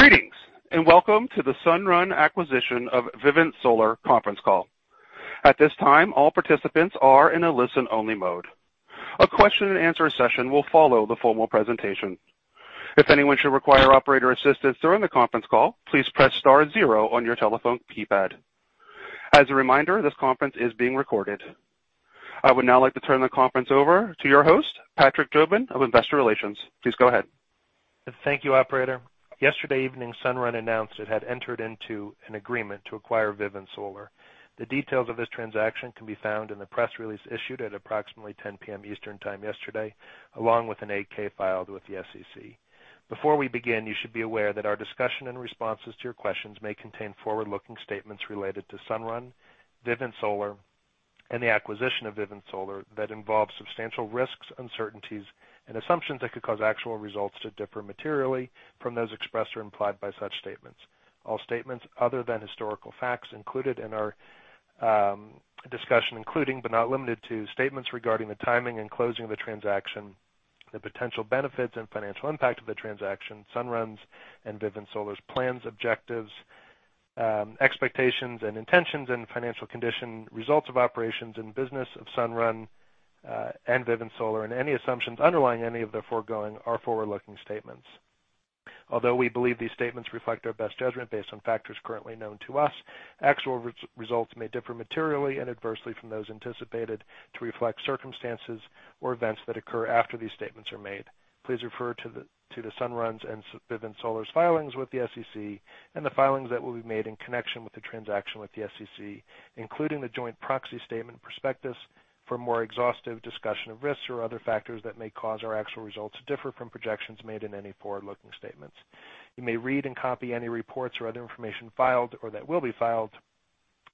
Greetings, welcome to the Sunrun acquisition of Vivint Solar conference call. At this time, all participants are in a listen-only mode. A question-and-answer session will follow the formal presentation. If anyone should require operator assistance during the conference call, please press star zero on your telephone keypad. As a reminder, this conference is being recorded. I would now like to turn the conference over to your host, Patrick Jobin of Investor Relations. Please go ahead. Thank you, operator. Yesterday evening, Sunrun announced it had entered into an agreement to acquire Vivint Solar. The details of this transaction can be found in the press release issued at approximately 10:00 P.M. Eastern Time yesterday, along with an 8-K filed with the SEC. Before we begin, you should be aware that our discussion and responses to your questions may contain forward-looking statements related to Sunrun, Vivint Solar, and the acquisition of Vivint Solar that involve substantial risks, uncertainties, and assumptions that could cause actual results to differ materially from those expressed or implied by such statements. All statements other than historical facts included in our discussion, including but not limited to statements regarding the timing and closing of the transaction, the potential benefits and financial impact of the transaction, Sunrun's and Vivint Solar's plans, objectives, expectations, and intentions and financial condition, results of operations in the business of Sunrun and Vivint Solar, and any assumptions underlying any of the foregoing are forward-looking statements. Although we believe these statements reflect our best judgment based on factors currently known to us, actual results may differ materially and adversely from those anticipated to reflect circumstances or events that occur after these statements are made. Please refer to Sunrun's and Vivint Solar's filings with the SEC and the filings that will be made in connection with the transaction with the SEC, including the joint proxy statement/prospectus for more exhaustive discussion of risks or other factors that may cause our actual results to differ from projections made in any forward-looking statements. You may read and copy any reports or other information filed or that will be filed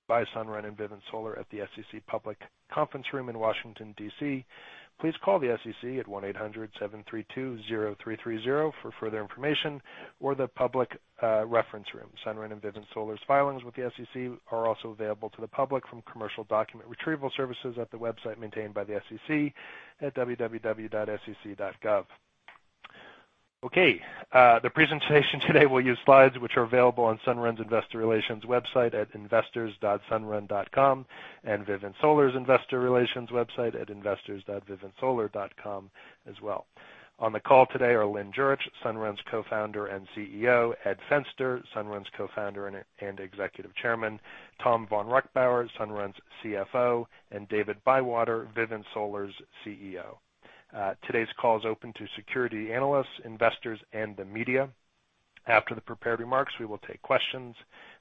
by Sunrun and Vivint Solar at the SEC Public Conference Room in Washington, D.C. Please call the SEC at 1-800-732-0330 for further information or the Public Reference Room. Sunrun and Vivint Solar's filings with the SEC are also available to the public from commercial document retrieval services at the website maintained by the SEC at www.sec.gov. Okay. The presentation today will use slides which are available on Sunrun's investor relations website at investors.sunrun.com and Vivint Solar's investor relations website at investors.vivintsolar.com as well. On the call today are Lynn Jurich, Sunrun's Co-Founder and CEO, Ed Fenster, Sunrun's Co-Founder and Executive Chairman, Tom vonReichbauer, Sunrun's CFO, and David Bywater, Vivint Solar's CEO. Today's call is open to security analysts, investors, and the media. After the prepared remarks, we will take questions.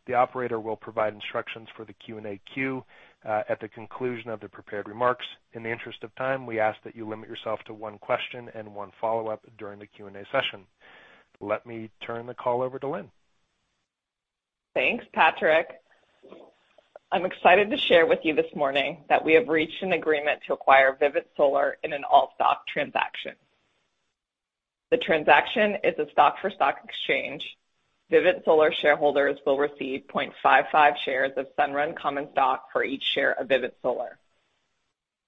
The operator will provide instructions for the Q&A queue at the conclusion of the prepared remarks. In the interest of time, we ask that you limit yourself to one question and one follow-up during the Q&A session. Let me turn the call over to Lynn. Thanks, Patrick. I'm excited to share with you this morning that we have reached an agreement to acquire Vivint Solar in an all-stock transaction. The transaction is a stock-for-stock exchange. Vivint Solar shareholders will receive 0.55 shares of Sunrun common stock for each share of Vivint Solar.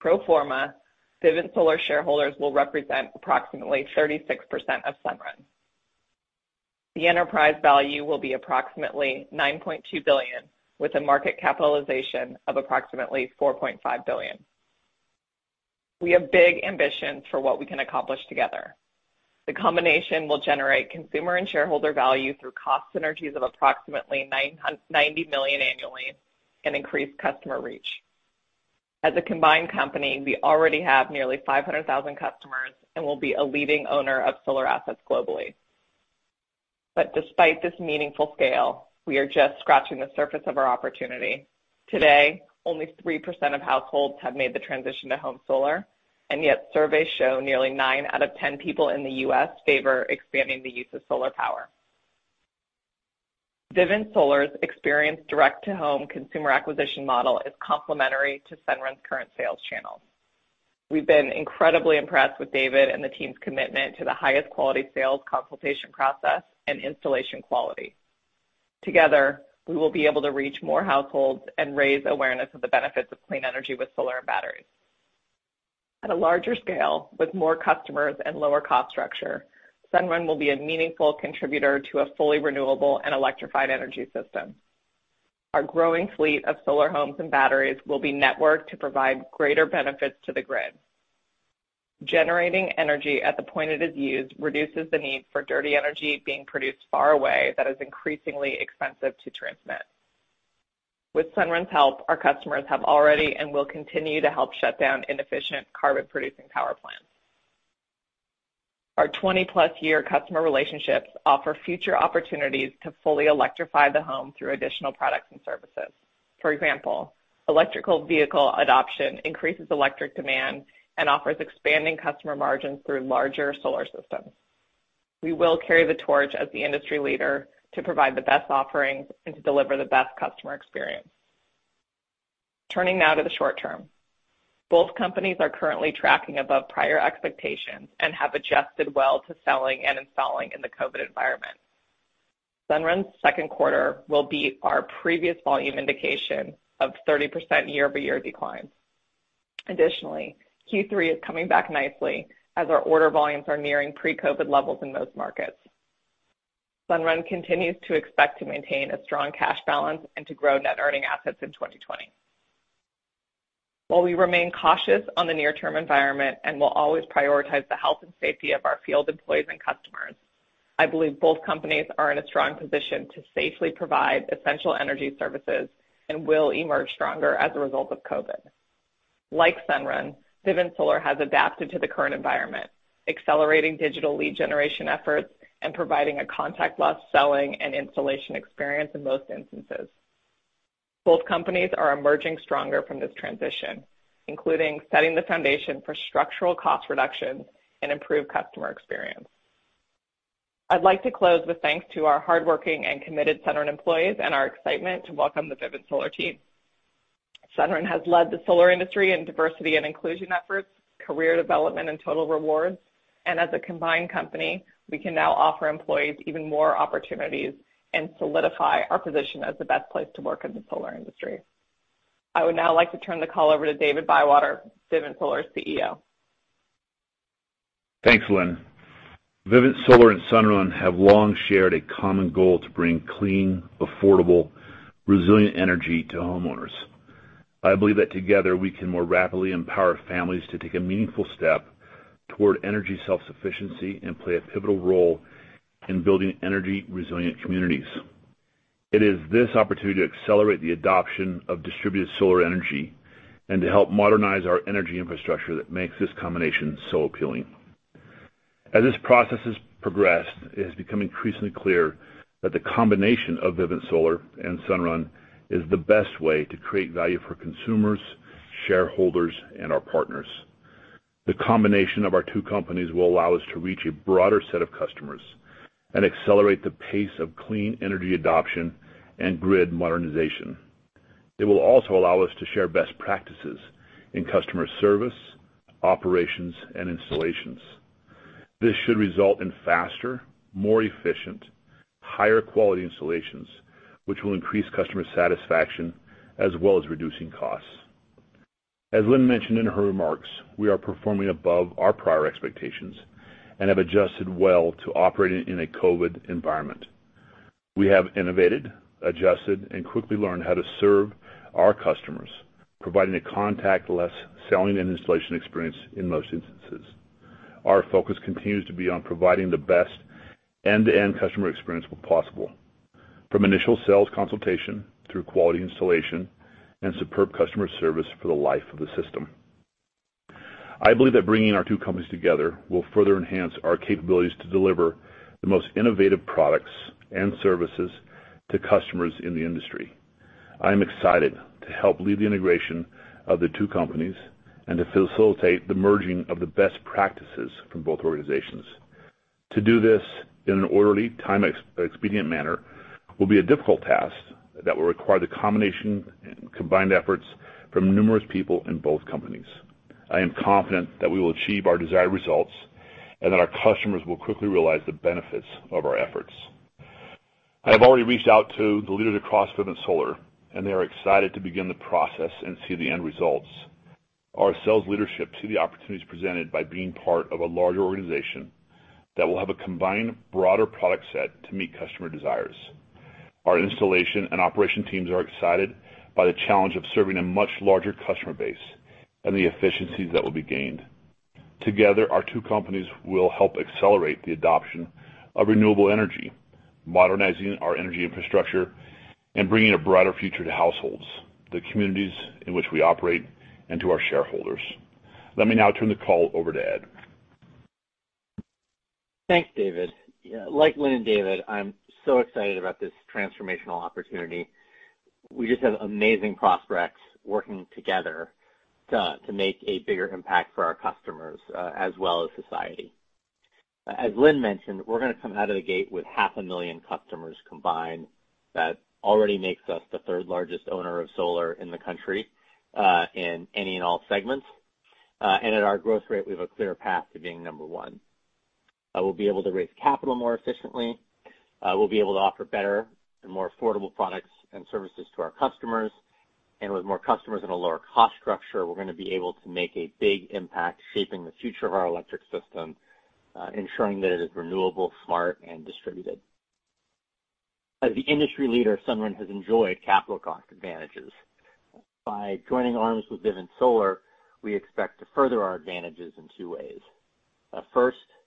Pro forma, Vivint Solar shareholders will represent approximately 36% of Sunrun. The enterprise value will be approximately $9.2 billion, with a market capitalization of approximately $4.5 billion. We have big ambitions for what we can accomplish together. The combination will generate consumer and shareholder value through cost synergies of approximately $90 million annually and increase customer reach. As a combined company, we already have nearly 500,000 customers and will be a leading owner of solar assets globally. Despite this meaningful scale, we are just scratching the surface of our opportunity. Today, only 3% of households have made the transition to home solar, and yet surveys show nearly nine out of 10 people in the U.S. favor expanding the use of solar power. Vivint Solar's experienced direct-to-home consumer acquisition model is complementary to Sunrun's current sales channels. We've been incredibly impressed with David and the team's commitment to the highest quality sales consultation process and installation quality. Together, we will be able to reach more households and raise awareness of the benefits of clean energy with solar and batteries. At a larger scale, with more customers and lower cost structure, Sunrun will be a meaningful contributor to a fully renewable and electrified energy system. Our growing fleet of solar homes and batteries will be networked to provide greater benefits to the grid. Generating energy at the point it is used reduces the need for dirty energy being produced far away that is increasingly expensive to transmit. With Sunrun's help, our customers have already and will continue to help shut down inefficient carbon-producing power plants. Our 20-plus-year customer relationships offer future opportunities to fully electrify the home through additional products and services. For example, electrical vehicle adoption increases electric demand and offers expanding customer margins through larger solar systems. We will carry the torch as the industry leader to provide the best offerings and to deliver the best customer experience. Turning now to the short term. Both companies are currently tracking above prior expectations and have adjusted well to selling and installing in the COVID environment. Sunrun's second quarter will beat our previous volume indication of 30% year-over-year decline. Additionally, Q3 is coming back nicely as our order volumes are nearing pre-COVID levels in most markets. Sunrun continues to expect to maintain a strong cash balance and to grow net earning assets in 2020. While we remain cautious on the near-term environment and will always prioritize the health and safety of our field employees and customers, I believe both companies are in a strong position to safely provide essential energy services and will emerge stronger as a result of COVID. Like Sunrun, Vivint Solar has adapted to the current environment, accelerating digital lead generation efforts, and providing a contactless selling and installation experience in most instances. Both companies are emerging stronger from this transition, including setting the foundation for structural cost reductions and improved customer experience. I'd like to close with thanks to our hardworking and committed Sunrun employees and our excitement to welcome the Vivint Solar team. Sunrun has led the solar industry in diversity and inclusion efforts, career development, and total rewards. As a combined company, we can now offer employees even more opportunities and solidify our position as the best place to work in the solar industry. I would now like to turn the call over to David Bywater, Vivint Solar's CEO. Thanks, Lynn. Vivint Solar and Sunrun have long shared a common goal to bring clean, affordable, resilient energy to homeowners. I believe that together, we can more rapidly empower families to take a meaningful step toward energy self-sufficiency and play a pivotal role in building energy-resilient communities. It is this opportunity to accelerate the adoption of distributed solar energy and to help modernize our energy infrastructure that makes this combination so appealing. As this process has progressed, it has become increasingly clear that the combination of Vivint Solar and Sunrun is the best way to create value for consumers, shareholders, and our partners. The combination of our two companies will allow us to reach a broader set of customers and accelerate the pace of clean energy adoption and grid modernization. It will also allow us to share best practices in customer service, operations, and installations. This should result in faster, more efficient, higher-quality installations, which will increase customer satisfaction, as well as reducing costs. As Lynn mentioned in her remarks, we are performing above our prior expectations and have adjusted well to operating in a COVID environment. We have innovated, adjusted, and quickly learned how to serve our customers, providing a contactless selling and installation experience in most instances. Our focus continues to be on providing the best end-to-end customer experience possible, from initial sales consultation through quality installation and superb customer service for the life of the system. I believe that bringing our two companies together will further enhance our capabilities to deliver the most innovative products and services to customers in the industry. I am excited to help lead the integration of the two companies and to facilitate the merging of the best practices from both organizations. To do this in an orderly, time-expedient manner will be a difficult task that will require the combined efforts from numerous people in both companies. I am confident that we will achieve our desired results and that our customers will quickly realize the benefits of our efforts. I have already reached out to the leaders across Vivint Solar, and they are excited to begin the process and see the end results. Our sales leadership see the opportunities presented by being part of a larger organization that will have a combined broader product set to meet customer desires. Our installation and operation teams are excited by the challenge of serving a much larger customer base and the efficiencies that will be gained. Together, our two companies will help accelerate the adoption of renewable energy, modernizing our energy infrastructure, and bringing a brighter future to households, the communities in which we operate, and to our shareholders. Let me now turn the call over to Ed. Thanks, David. Like Lynn and David, I'm so excited about this transformational opportunity. We just have amazing prospects working together to make a bigger impact for our customers as well as society. As Lynn mentioned, we're going to come out of the gate with half a million customers combined. That already makes us the third-largest owner of solar in the country, in any and all segments. At our growth rate, we have a clear path to being number one. We'll be able to raise capital more efficiently. We'll be able to offer better and more affordable products and services to our customers. With more customers and a lower cost structure, we're going to be able to make a big impact shaping the future of our electric system, ensuring that it is renewable, smart, and distributed. As the industry leader, Sunrun has enjoyed capital cost advantages. By joining arms with Vivint Solar, we expect to further our advantages in two ways. First, we'll be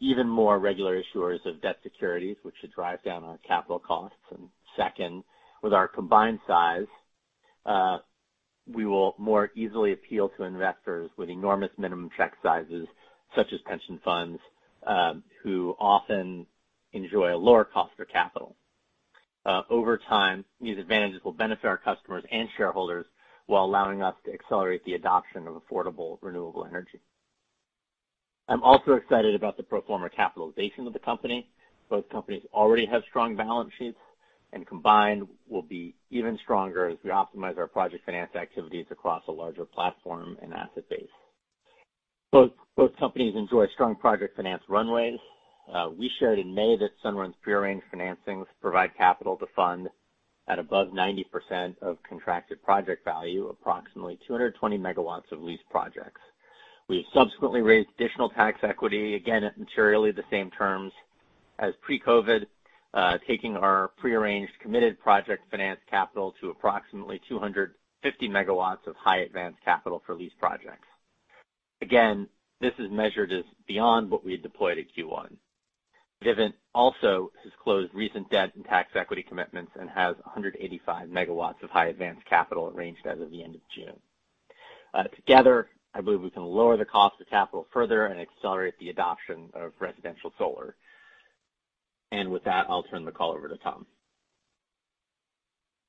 even more regular issuers of debt securities, which should drive down our capital costs. Second, with our combined size, we will more easily appeal to investors with enormous minimum check sizes, such as pension funds, who often enjoy a lower cost for capital. Over time, these advantages will benefit our customers and shareholders while allowing us to accelerate the adoption of affordable, renewable energy. I'm also excited about the pro forma capitalization of the company. Both companies already have strong balance sheets, and combined will be even stronger as we optimize our project finance activities across a larger platform and asset base. Both companies enjoy strong project finance runways. We shared in May that Sunrun's prearranged financings provide capital to fund at above 90% of contracted project value, approximately 220 megawatts of leased projects. We subsequently raised additional tax equity, again, at materially the same terms as pre-COVID, taking our prearranged committed project finance capital to approximately 250 megawatts of high advance capital for leased projects. This is measured as beyond what we had deployed at Q1. Vivint also has closed recent debt and tax equity commitments and has 185 megawatts of high advance capital arranged as of the end of June. I believe we can lower the cost of capital further and accelerate the adoption of residential solar. With that, I'll turn the call over to Tom.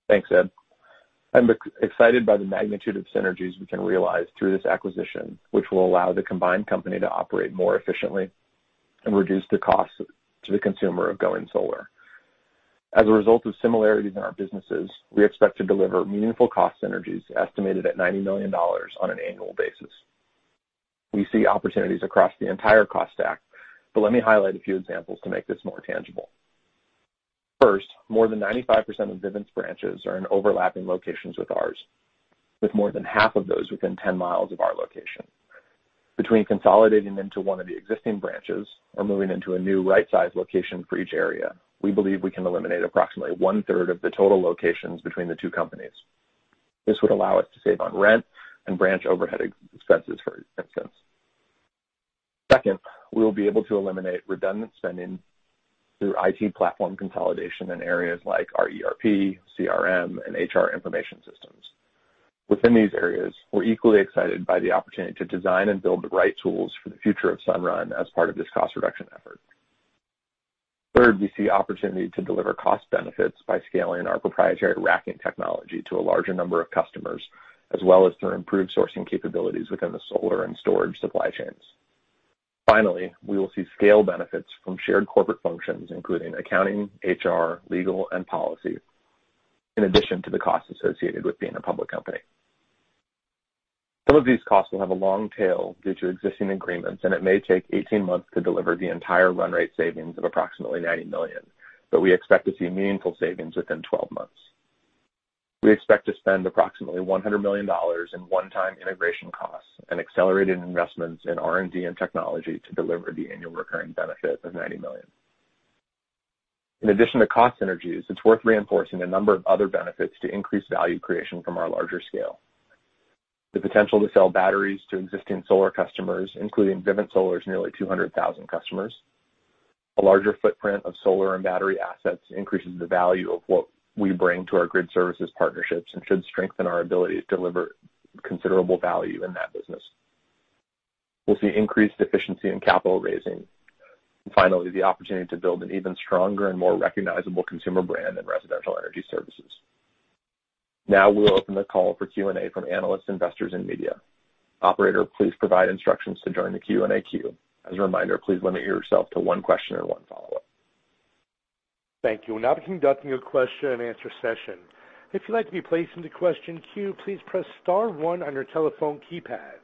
Thanks, Ed. I'm excited by the magnitude of synergies we can realize through this acquisition, which will allow the combined company to operate more efficiently and reduce the cost to the consumer of going solar. As a result of similarities in our businesses, we expect to deliver meaningful cost synergies estimated at $90 million on an annual basis. We see opportunities across the entire cost stack. Let me highlight a few examples to make this more tangible. First, more than 95% of Vivint's branches are in overlapping locations with ours, with more than half of those within 10 miles of our location. Between consolidating into one of the existing branches or moving into a new right-sized location for each area, we believe we can eliminate approximately one-third of the total locations between the two companies. This would allow us to save on rent and branch overhead expenses, for instance. Second, we will be able to eliminate redundant spending through IT platform consolidation in areas like our ERP, CRM, and HR information systems. Within these areas, we're equally excited by the opportunity to design and build the right tools for the future of Sunrun as part of this cost reduction effort. Third, we see opportunity to deliver cost benefits by scaling our proprietary racking technology to a larger number of customers, as well as through improved sourcing capabilities within the solar and storage supply chains. Finally, we will see scale benefits from shared corporate functions, including accounting, HR, legal, and policy, in addition to the costs associated with being a public company. Some of these costs will have a long tail due to existing agreements, and it may take 18 months to deliver the entire run rate savings of approximately $90 million, but we expect to see meaningful savings within 12 months. We expect to spend approximately $100 million in one-time integration costs and accelerated investments in R&D and technology to deliver the annual recurring benefit of $90 million. In addition to cost synergies, it's worth reinforcing a number of other benefits to increase value creation from our larger scale. The potential to sell batteries to existing solar customers, including Vivint Solar's nearly 200,000 customers. A larger footprint of solar and battery assets increases the value of what we bring to our grid services partnerships and should strengthen our ability to deliver considerable value in that business. We'll see increased efficiency in capital raising. Finally, the opportunity to build an even stronger and more recognizable consumer brand in residential energy services. Now we'll open the call for Q&A from analysts, investors, and media. Operator, please provide instructions to join the Q&A queue. As a reminder, please limit yourself to one question and one follow-up. Thank you. We'll now be conducting a question and answer session. If you'd like to be placed into question queue, please press star one on your telephone keypad.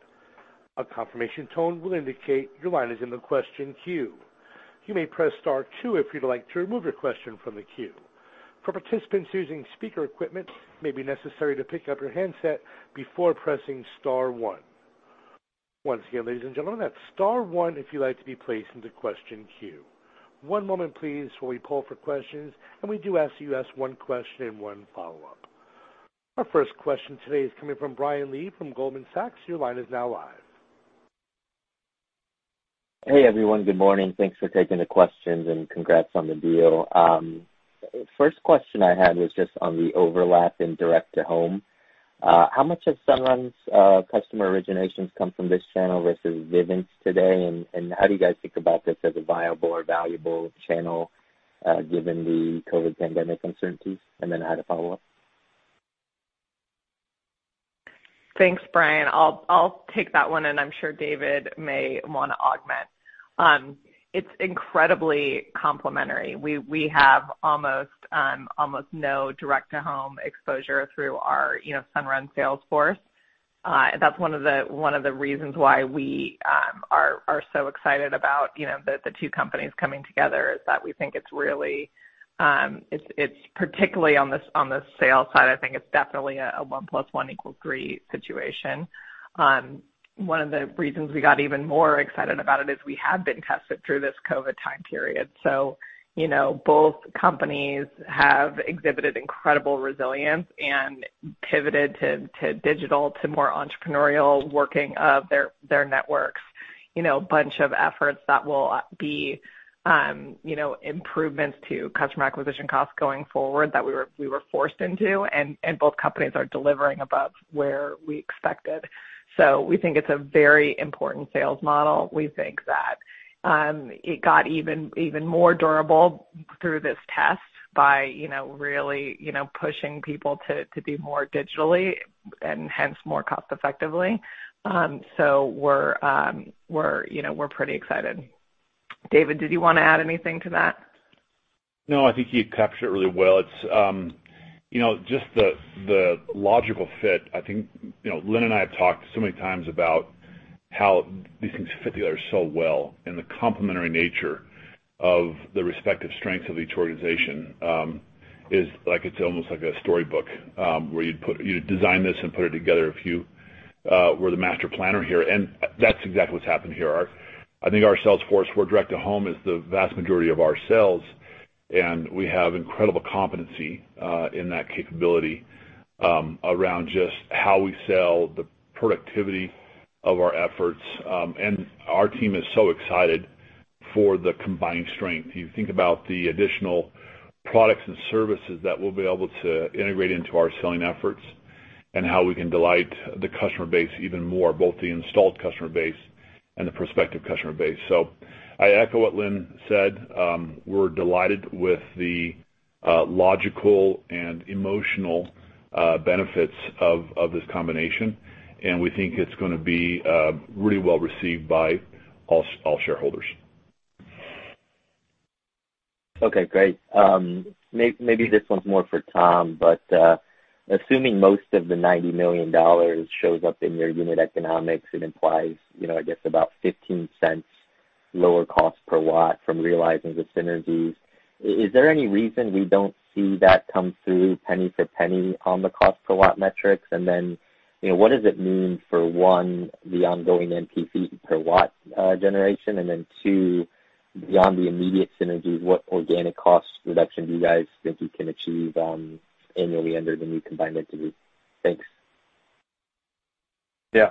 A confirmation tone will indicate your line is in the question queue. You may press star two if you'd like to remove your question from the queue. For participants using speaker equipment, it may be necessary to pick up your handset before pressing star one. Once again, ladies and gentlemen, that's star one if you'd like to be placed into question queue. One moment, please, while we poll for questions. We do ask you ask one question and one follow-up. Our first question today is coming from Brian Lee from Goldman Sachs. Your line is now live. Hey, everyone. Good morning. Thanks for taking the questions. Congrats on the deal. First question I had was just on the overlap in direct-to-home. How much of Sunrun's customer originations come from this channel versus Vivint's today? How do you guys think about this as a viable or valuable channel given the COVID pandemic uncertainties? I had a follow-up. Thanks, Brian. I'll take that one. I'm sure David may want to augment. It's incredibly complementary. We have almost no direct-to-home exposure through our Sunrun sales force. That's one of the reasons why we are so excited about the two companies coming together, is that we think it's particularly on the sales side, I think it's definitely a one plus one equals three situation. One of the reasons we got even more excited about it is we have been tested through this COVID time period. Both companies have exhibited incredible resilience and pivoted to digital, to more entrepreneurial working of their networks. A bunch of efforts that will be improvements to customer acquisition costs going forward that we were forced into. Both companies are delivering above where we expected. We think it's a very important sales model. We think that it got even more durable through this test by really pushing people to be more digitally and hence more cost effectively. We're pretty excited. David, did you want to add anything to that? No, I think you captured it really well. It's just the logical fit. I think Lynn and I have talked so many times about how these things fit together so well. The complementary nature of the respective strengths of each organization is like, it's almost like a storybook, where you'd design this and put it together if you were the master planner here. That's exactly what's happened here. I think our sales force, where direct-to-home is the vast majority of our sales. We have incredible competency in that capability around just how we sell the productivity of our efforts. Our team is so excited for the combined strength. You think about the additional products and services that we'll be able to integrate into our selling efforts and how we can delight the customer base even more, both the installed customer base and the prospective customer base. I echo what Lynn said. We're delighted with the logical and emotional benefits of this combination, and we think it's going to be really well received by all shareholders. Okay, great. Maybe this one's more for Tom, assuming most of the $90 million shows up in your unit economics, it implies, I guess about $0.15 lower cost per watt from realizing the synergies. Is there any reason we don't see that come through penny to penny on the cost per watt metrics? What does it mean for one, the ongoing NPV per watt generation, and then two, beyond the immediate synergies, what organic cost reduction do you guys think you can achieve annually under the new combined entity? Thanks. Yeah.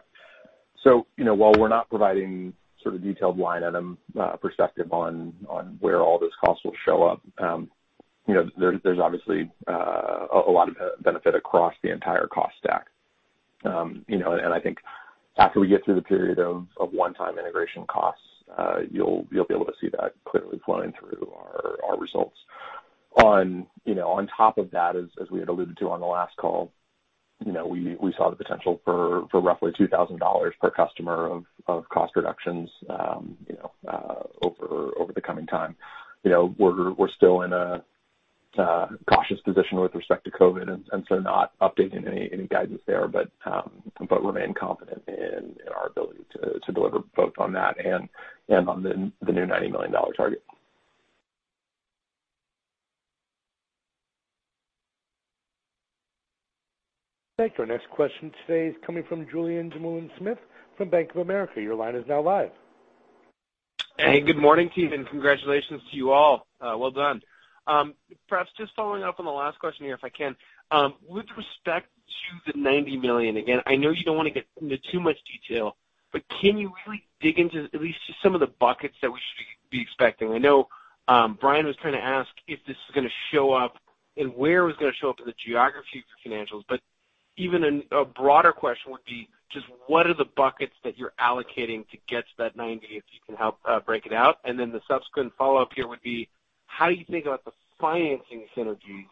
While we're not providing sort of detailed line item perspective on where all those costs will show up, there's obviously a lot of benefit across the entire cost stack. I think after we get through the period of one-time integration costs, you'll be able to see that clearly flowing through our results. On top of that, as we had alluded to on the last call, we saw the potential for roughly $2,000 per customer of cost reductions over the coming time. We're still in a cautious position with respect to COVID, and so not updating any guidance there, but remain confident in our ability to deliver both on that and on the new $90 million target. Thanks. Our next question today is coming from Julien Dumoulin-Smith from Bank of America. Your line is now live. Hey, good morning, [Keith], and congratulations to you all. Well done. Perhaps just following up on the last question here, if I can. With respect to the $90 million, again, I know you don't want to get into too much detail, but can you really dig into at least just some of the buckets that we should be expecting? I know Brian was trying to ask if this is going to show up and where it was going to show up in the geography for financials. Even a broader question would be just what are the buckets that you're allocating to get to that 90, if you can help break it out? The subsequent follow-up here would be: how do you think about the financing synergies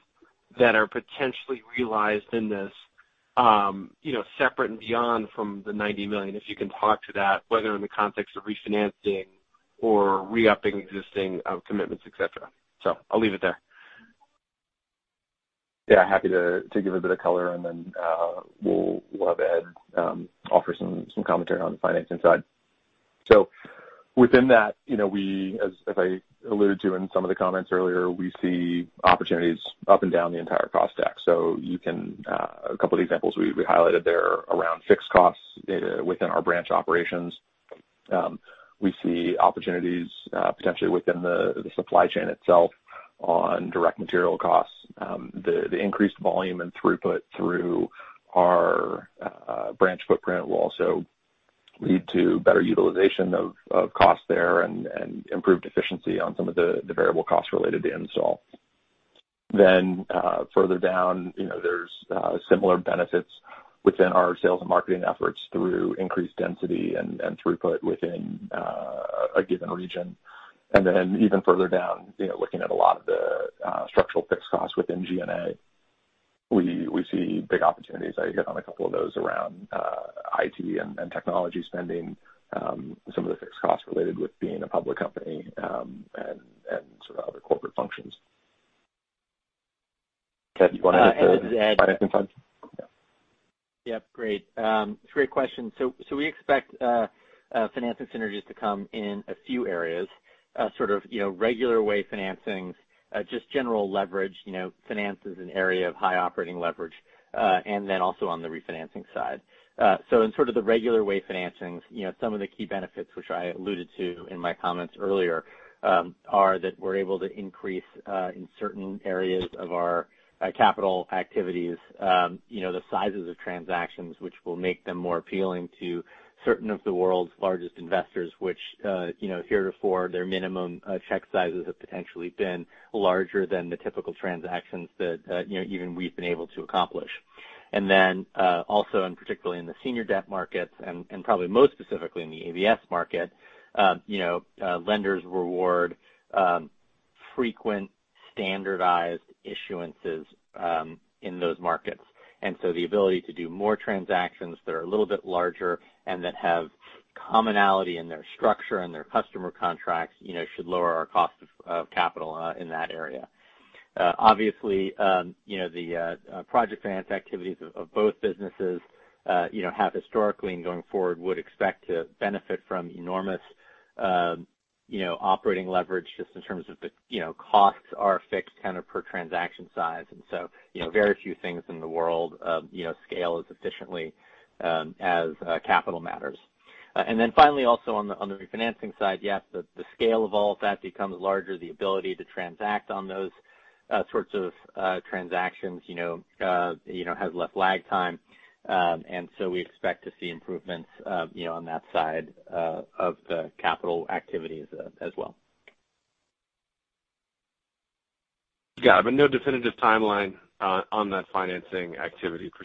that are potentially realized in this separate and beyond from the $90 million? If you can talk to that, whether in the context of refinancing or re-upping existing commitments, et cetera. I'll leave it there. Happy to give a bit of color and then we'll have Ed offer some commentary on the financing side. Within that, as I alluded to in some of the comments earlier, we see opportunities up and down the entire cost stack. A couple of examples we highlighted there around fixed costs within our branch operations. We see opportunities potentially within the supply chain itself on direct material costs. The increased volume and throughput through our branch footprint will also lead to better utilization of cost there and improved efficiency on some of the variable costs related to install. Further down, there's similar benefits within our sales and marketing efforts through increased density and throughput within a given region. Even further down, looking at a lot of the structural fixed costs within G&A, we see big opportunities. I hit on a couple of those around IT and technology spending, some of the fixed costs related with being a public company, and sort of other corporate functions. Ed, you want to hit the financing side? Yeah. Yeah. Great. It's a great question. We expect financing synergies to come in a few areas, sort of regular way financings, just general leverage, finance is an area of high operating leverage, and then also on the refinancing side. In sort of the regular way financings, some of the key benefits which I alluded to in my comments earlier, are that we're able to increase in certain areas of our capital activities the sizes of transactions, which will make them more appealing to certain of the world's largest investors, which heretofore their minimum check sizes have potentially been larger than the typical transactions that even we've been able to accomplish. Particularly in the senior debt markets and probably most specifically in the ABS market, lenders reward frequent standardized issuances in those markets. The ability to do more transactions that are a little bit larger and that have commonality in their structure and their customer contracts should lower our cost of capital in that area. Obviously, the project finance activities of both businesses have historically and going forward would expect to benefit from enormous operating leverage just in terms of the costs are fixed per transaction size. Very few things in the world scale as efficiently as capital matters. Finally, also on the refinancing side, yes, the scale of all of that becomes larger. The ability to transact on those sorts of transactions has less lag time. We expect to see improvements on that side of the capital activities as well. Got it. No definitive timeline on that financing activity per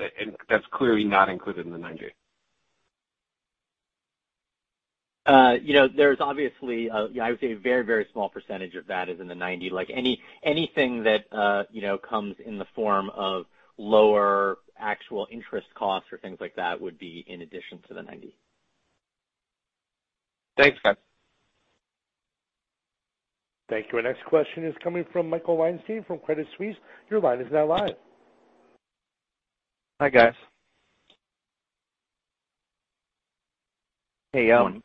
se? That's clearly not included in the 90? There's obviously, I would say a very, very small percentage of that is in the 90. Anything that comes in the form of lower actual interest costs or things like that would be in addition to the 90. Thanks, guys. Thank you. Our next question is coming from Michael Weinstein from Credit Suisse. Your line is now live. Hi, guys. Hey. Morning.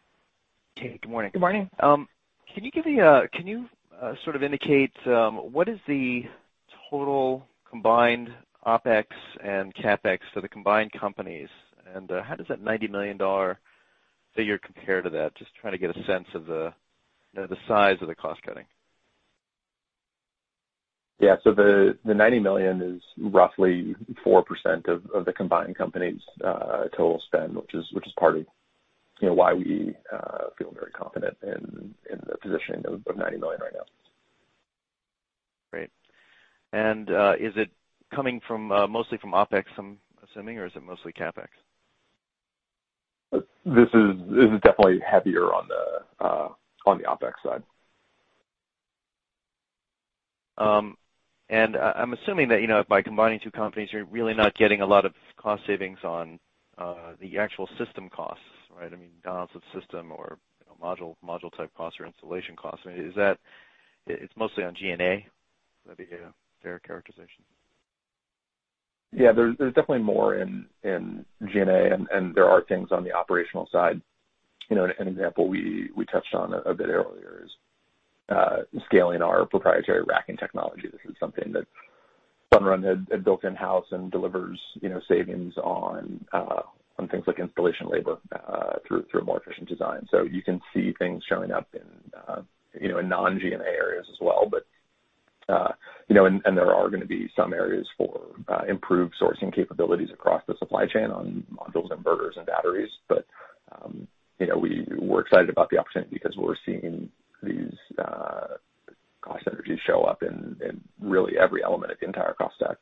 Hey, good morning. Good morning. Can you sort of indicate what is the total combined OpEx and CapEx for the combined companies, and how does that $90 million figure compare to that? Just trying to get a sense of the size of the cost cutting. Yeah. The $90 million is roughly 4% of the combined company's total spend, which is partly why we feel very confident in the positioning of $90 million right now. Great. Is it coming mostly from OpEx, I'm assuming, or is it mostly CapEx? This is definitely heavier on the OpEx side. I'm assuming that by combining two companies, you're really not getting a lot of cost savings on the actual system costs, right? I mean, downside system or module type costs or installation costs. It's mostly on G&A? Would that be a fair characterization? There's definitely more in G&A, there are things on the operational side. An example we touched on a bit earlier is scaling our proprietary racking technology. This is something that Sunrun had built in-house and delivers savings on things like installation labor through a more efficient design. You can see things showing up in non-G&A areas as well. There are going to be some areas for improved sourcing capabilities across the supply chain on modules, inverters, and batteries. We're excited about the opportunity because we're seeing these cost synergies show up in really every element of the entire cost stack.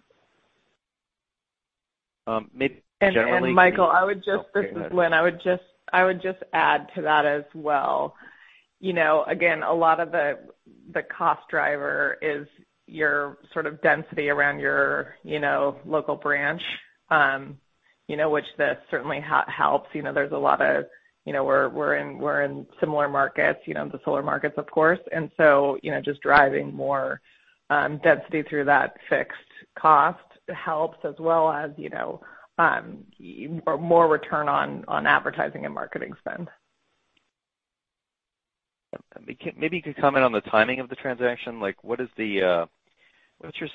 Maybe. Michael, this is Lynn. I would just add to that as well. Again, a lot of the cost driver is your sort of density around your local branch which this certainly helps. We're in similar markets, the solar markets of course. Just driving more density through that fixed cost helps as well as more return on advertising and marketing spend. Maybe you could comment on the timing of the transaction. What's your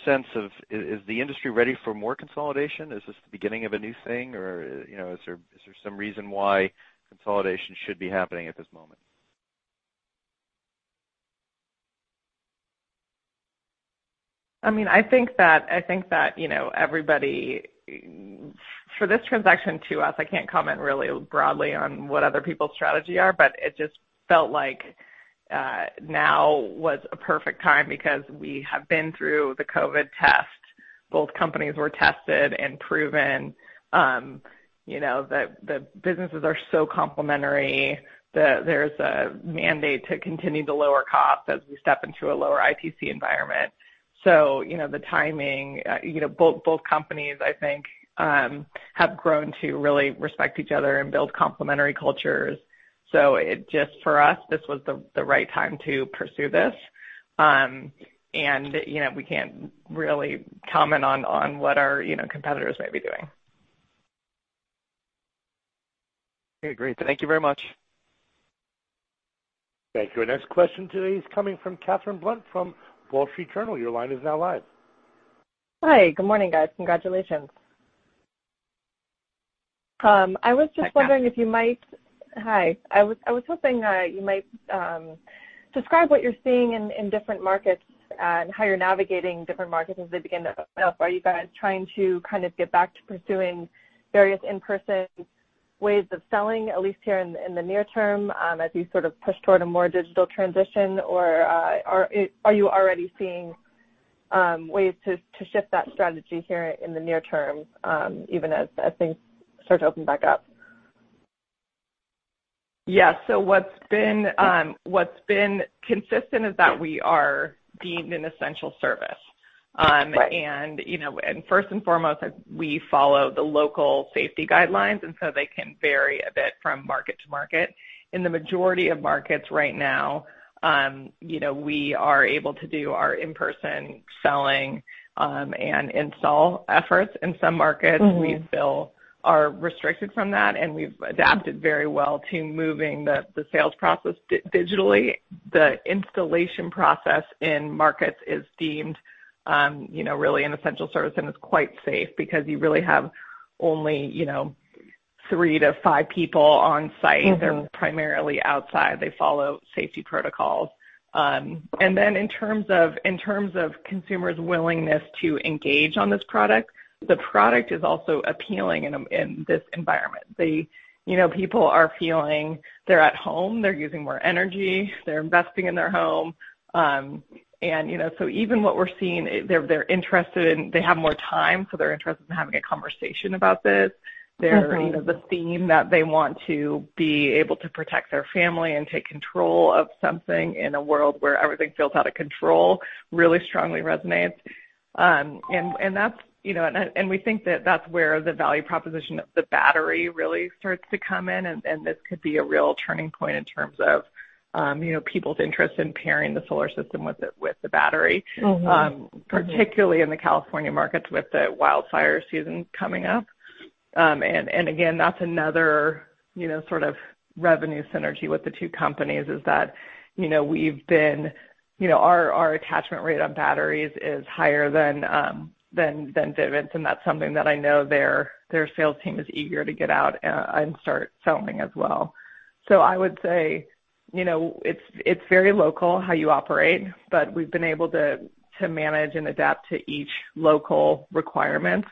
sense of, is the industry ready for more consolidation? Is this the beginning of a new thing, or is there some reason why consolidation should be happening at this moment? I think that everybody, for this transaction to us, I can't comment really broadly on what other people's strategy are, but it just felt like now was a perfect time because we have been through the COVID test. Both companies were tested and proven. The businesses are so complementary. There's a mandate to continue to lower costs as we step into a lower ITC environment. The timing. Both companies, I think, have grown to really respect each other and build complementary cultures. It just, for us, this was the right time to pursue this. We can't really comment on what our competitors may be doing. Okay, great. Thank you very much. Thank you. Our next question today is coming from Katherine Blunt from Wall Street Journal. Your line is now live. Hi. Good morning, guys. Congratulations. Hi, Kat. Hi. I was hoping you might describe what you're seeing in different markets and how you're navigating different markets as they begin to open up. Are you guys trying to kind of get back to pursuing various in-person ways of selling, at least here in the near term as you sort of push toward a more digital transition, or are you already seeing ways to shift that strategy here in the near term even as things start to open back up? Yes. What's been consistent is that we are deemed an essential service. Right. First and foremost, we follow the local safety guidelines, they can vary a bit from market to market. In the majority of markets right now, we are able to do our in-person selling and install efforts. In some markets. We still are restricted from that, and we've adapted very well to moving the sales process digitally. The installation process in markets is deemed really an essential service, and it's quite safe because you really have only three to five people on site. They're primarily outside. They follow safety protocols. In terms of consumers' willingness to engage on this product, the product is also appealing in this environment. People are feeling. They're at home, they're using more energy, they're investing in their home. Even what we're seeing, they have more time, so they're interested in having a conversation about this. The theme that they want to be able to protect their family and take control of something in a world where everything feels out of control, really strongly resonates. We think that that's where the value proposition of the battery really starts to come in, and this could be a real turning point in terms of people's interest in pairing the solar system with the battery. Particularly in the California markets with the wildfire season coming up. Again, that's another sort of revenue synergy with the two companies, is that our attachment rate on batteries is higher than Vivint, and that's something that I know their sales team is eager to get out and start selling as well. I would say it's very local how you operate, but we've been able to manage and adapt to each local requirements.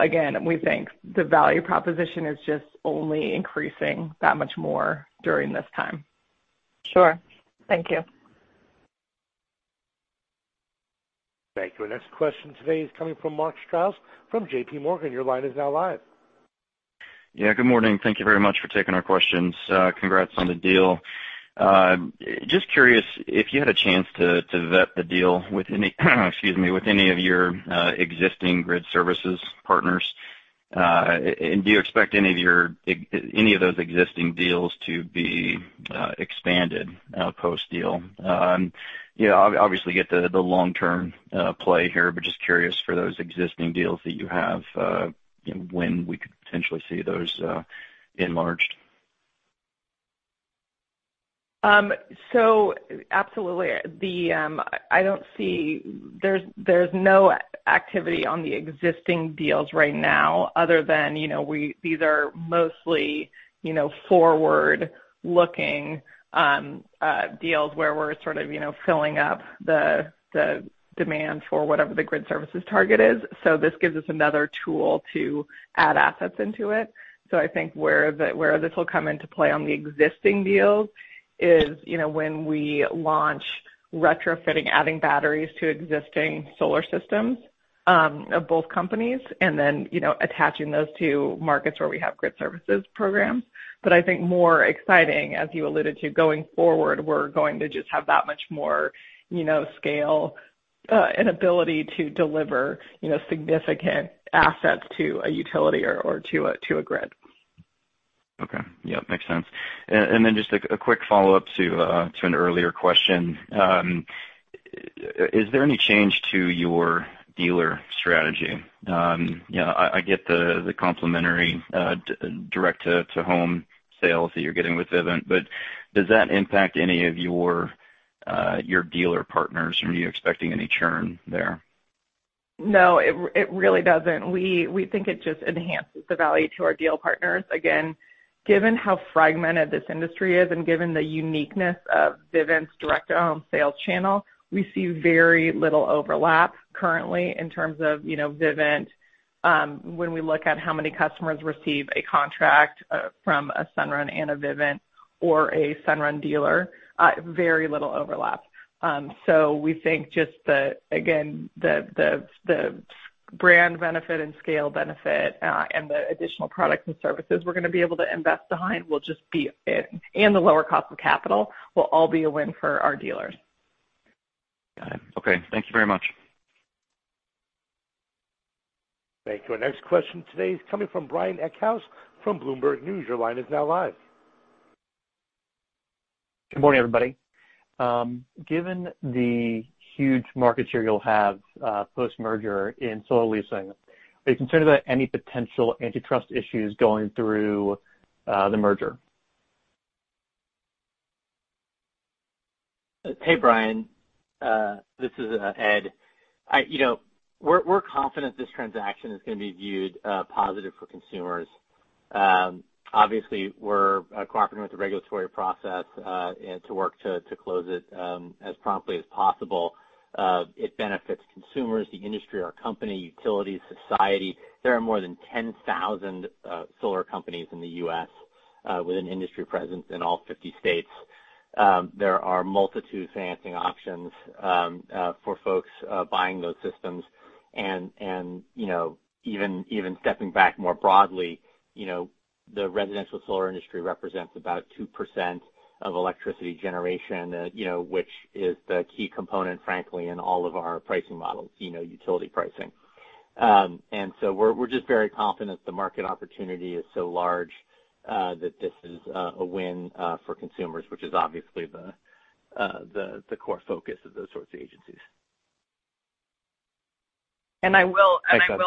Again, we think the value proposition is just only increasing that much more during this time. Sure. Thank you. Thank you. Our next question today is coming from Mark Strouse from J.P. Morgan. Your line is now live. Good morning. Thank you very much for taking our questions. Congrats on the deal. Just curious if you had a chance to vet the deal with any of your existing grid services partners. Do you expect any of those existing deals to be expanded post-deal? Obviously get the long-term play here, just curious for those existing deals that you have when we could potentially see those enlarged. Absolutely. There's no activity on the existing deals right now other than these are mostly forward-looking deals where we're sort of filling up the demand for whatever the grid services target is. This gives us another tool to add assets into it. I think where this will come into play on the existing deals is when we launch retrofitting, adding batteries to existing solar systems of both companies, and then attaching those to markets where we have grid services programs. I think more exciting, as you alluded to, going forward, we're going to just have that much more scale and ability to deliver significant assets to a utility or to a grid. Okay. Yep, makes sense. Just a quick follow-up to an earlier question. Is there any change to your dealer strategy? I get the complimentary direct-to-home sales that you're getting with Vivint, but does that impact any of your dealer partners? Are you expecting any churn there? No, it really doesn't. We think it just enhances the value to our deal partners. Again, given how fragmented this industry is and given the uniqueness of Vivint's direct-to-home sales channel, we see very little overlap currently in terms of Vivint. When we look at how many customers receive a contract from a Sunrun and a Vivint or a Sunrun dealer, very little overlap. We think just, again, the brand benefit and scale benefit, and the additional products and services we're going to be able to invest behind and the lower cost of capital will all be a win for our dealers. Got it. Okay. Thank you very much. Thank you. Our next question today is coming from Brian Eckhouse from Bloomberg News. Your line is now live. Good morning, everybody. Given the huge market share you'll have post-merger in solar leasing, are you concerned about any potential antitrust issues going through the merger? Hey, Brian. This is Ed. We're confident this transaction is going to be viewed positive for consumers. Obviously, we're cooperating with the regulatory process to work to close it as promptly as possible. It benefits consumers, the industry, our company, utilities, society. There are more than 10,000 solar companies in the U.S. with an industry presence in all 50 states. There are multitude financing options for folks buying those systems. Even stepping back more broadly, the residential solar industry represents about 2% of electricity generation, which is the key component, frankly, in all of our pricing models, utility pricing. We're just very confident the market opportunity is so large that this is a win for consumers, which is obviously the core focus of those sorts of agencies. I will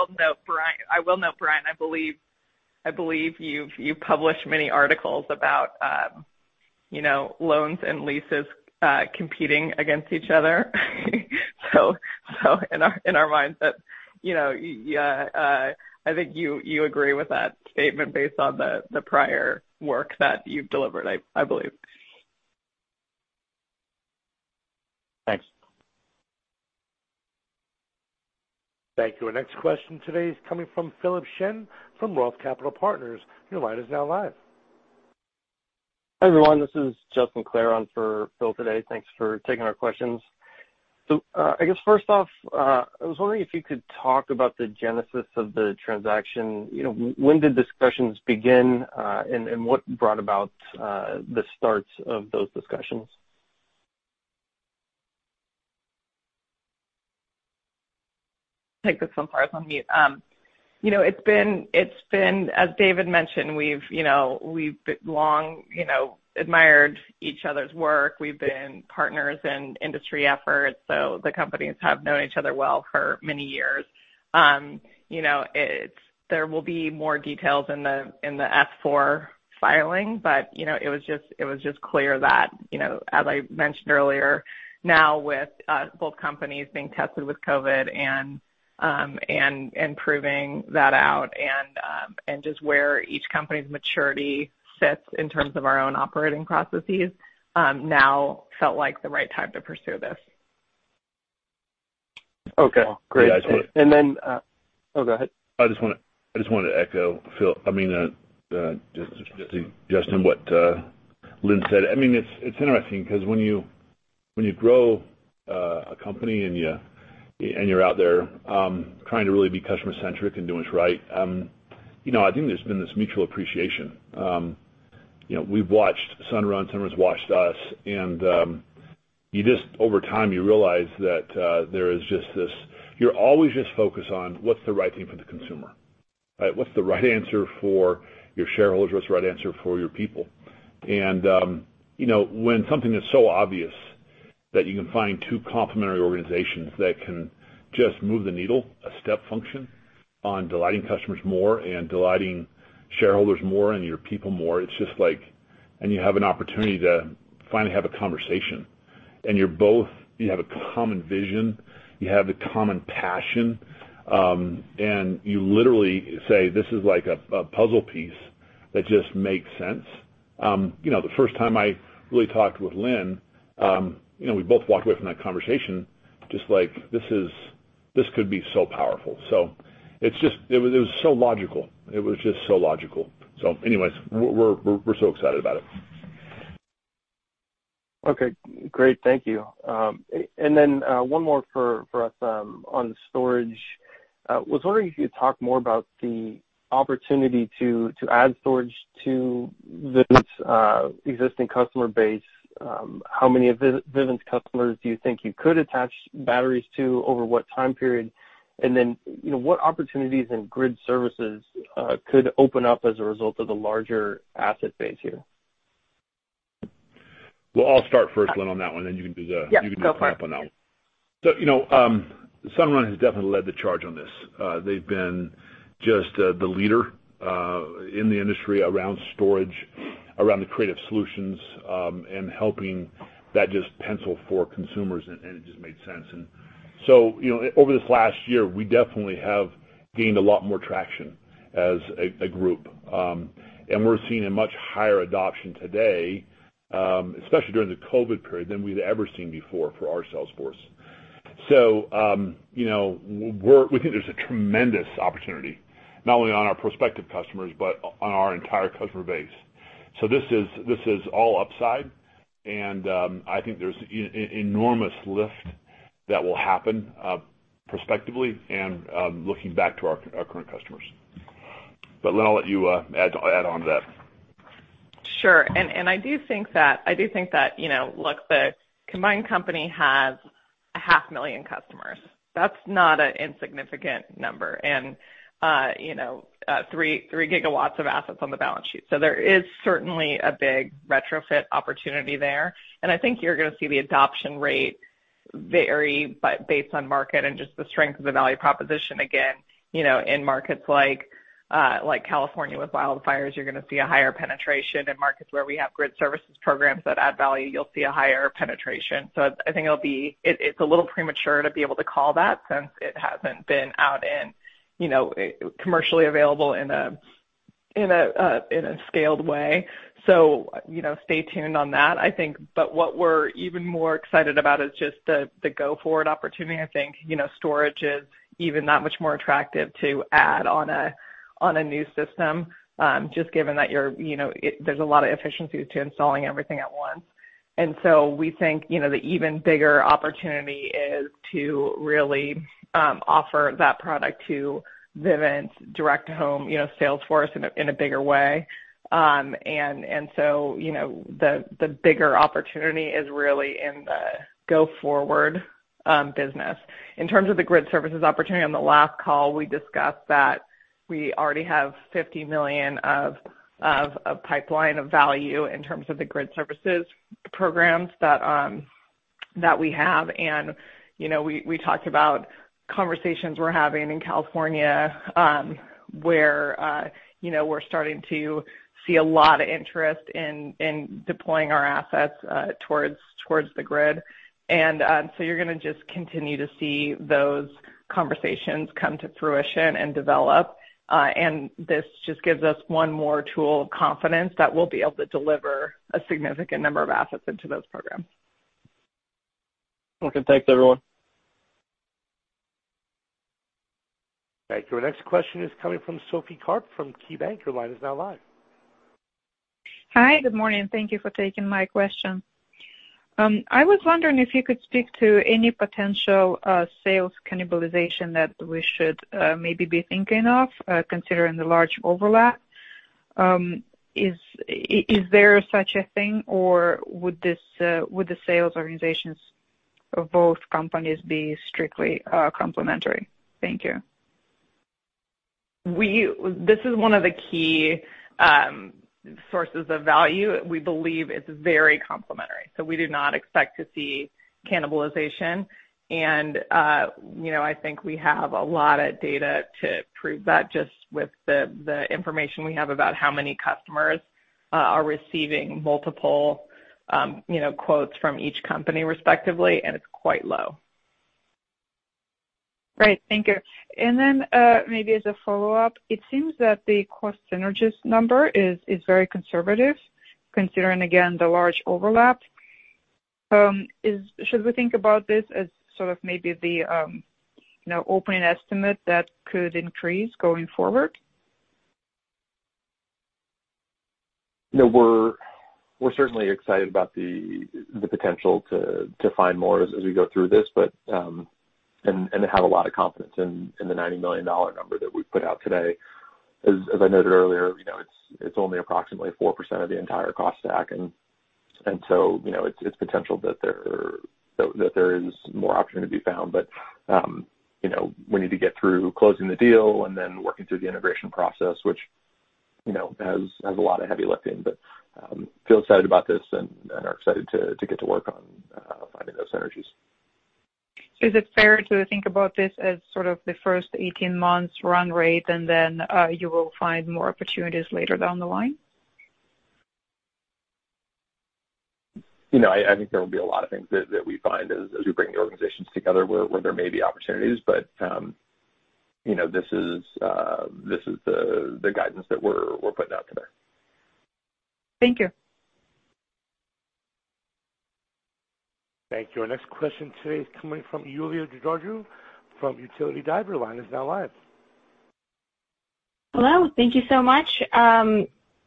note, Brian, I believe you've published many articles about loans and leases competing against each other. In our mindset, I think you agree with that statement based on the prior work that you've delivered, I believe. Thanks. Thank you. Our next question today is coming from Philip Shen from ROTH Capital Partners. Your line is now live. Hi, everyone. This is Justin Clare on for Phil today. Thanks for taking our questions. I guess first off, I was wondering if you could talk about the genesis of the transaction. When did discussions begin? What brought about the starts of those discussions? I'll take this one, [Farhad's] on mute. It's been, as David mentioned, we've long admired each other's work. We've been partners in industry efforts, so the companies have known each other well for many years. There will be more details in the S-4 filing, but it was just clear that as I mentioned earlier, now with both companies being tested with COVID and proving that out and just where each company's maturity sits in terms of our own operating processes, now felt like the right time to pursue this. Okay, great. Yeah, I just want to- Oh, go ahead. I just want to echo Justin, what Lynn said. It's interesting because when you grow a company and you're out there trying to really be customer-centric and doing what's right, I think there's been this mutual appreciation. We've watched Sunrun's watched us, and over time, you realize that there is just this, you're always just focused on what's the right thing for the consumer. What's the right answer for your shareholders? What's the right answer for your people? When something is so obvious that you can find two complementary organizations that can just move the needle, a step function on delighting customers more and delighting shareholders more and your people more, and you have an opportunity to finally have a conversation. You have a common vision, you have a common passion, and you literally say, "This is like a puzzle piece that just makes sense." The first time I really talked with Lynn, we both walked away from that conversation just like, "This could be so powerful." It was so logical. It was just so logical. Anyways, we're so excited about it. Okay, great. Thank you. One more for us on storage. I was wondering if you could talk more about the opportunity to add storage to Vivint's existing customer base. How many of Vivint's customers do you think you could attach batteries to over what time period? What opportunities and grid services could open up as a result of the larger asset base here? Well, I'll start first, Lynn, on that one, then you can do. Yeah, go for it. follow-up on that one. Sunrun has definitely led the charge on this. They've been just the leader in the industry around storage, around the creative solutions, and helping that just pencil for consumers, and it just made sense. Over this last year, we definitely have gained a lot more traction as a group. We're seeing a much higher adoption today, especially during the COVID period, than we'd ever seen before for our sales force. We think there's a tremendous opportunity, not only on our prospective customers, but on our entire customer base. This is all upside, and I think there's enormous lift that will happen prospectively and looking back to our current customers. Lynn, I'll let you add on to that. Sure. I do think that the combined company has a half million customers. That's not an insignificant number. Three gigawatts of assets on the balance sheet. There is certainly a big retrofit opportunity there. I think you're going to see the adoption rate vary based on market and just the strength of the value proposition again. In markets like California with wildfires, you're going to see a higher penetration. In markets where we have grid services programs that add value, you'll see a higher penetration. I think it's a little premature to be able to call that since it hasn't been out and commercially available in a scaled way. Stay tuned on that, I think. What we're even more excited about is just the go-forward opportunity. I think storage is even that much more attractive to add on a new system, just given that there's a lot of efficiencies to installing everything at once. We think the even bigger opportunity is to really offer that product to Vivint's direct-to-home sales force in a bigger way. The bigger opportunity is really in the go-forward business. In terms of the grid services opportunity, on the last call, we discussed that we already have $50 million of pipeline of value in terms of the grid services programs that we have. We talked about conversations we're having in California, where we're starting to see a lot of interest in deploying our assets towards the grid. You're going to just continue to see those conversations come to fruition and develop. This just gives us one more tool of confidence that we'll be able to deliver a significant number of assets into those programs. Okay. Thanks, everyone. Thank you. Our next question is coming from Sophie Karp from KeyBank. Your line is now live. Hi, good morning. Thank you for taking my question. I was wondering if you could speak to any potential sales cannibalization that we should maybe be thinking of, considering the large overlap. Is there such a thing, or would the sales organizations of both companies be strictly complementary? Thank you. This is one of the key sources of value. We believe it's very complementary. We do not expect to see cannibalization. I think we have a lot of data to prove that, just with the information we have about how many customers are receiving multiple quotes from each company respectively, and it's quite low. Great, thank you. Maybe as a follow-up, it seems that the cost synergies number is very conservative, considering, again, the large overlap. Should we think about this as sort of maybe the opening estimate that could increase going forward? No, we're certainly excited about the potential to find more as we go through this, and have a lot of confidence in the $90 million number that we put out today. As I noted earlier, it's only approximately 4% of the entire cost stack, it's potential that there is more opportunity to be found. We need to get through closing the deal and then working through the integration process, which has a lot of heavy lifting. Feel excited about this and are excited to get to work on finding those synergies. Is it fair to think about this as sort of the first 18 months run rate, and then you will find more opportunities later down the line? I think there will be a lot of things that we find as we bring the organizations together where there may be opportunities, but this is the guidance that we're putting out today. Thank you. Thank you. Our next question today is coming from Iulia Gheorghiu from Utility Dive. Your line is now live. Hello. Thank you so much.